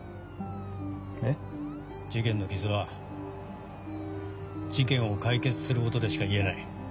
えっ？事件の傷は事件を解決することでしか癒えない。